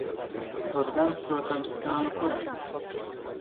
Kaut gan, protams, kā nu kuram.